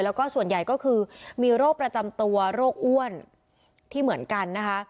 แล้วก็ส่วนใหญ่ก็คือมีโรคประจำตัวโรคอ้วนที่เหมือนกันนะคะ